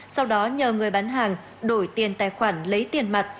sau đó nhờ người bán hàng đổi tiền tài khoản lấy tiền mặt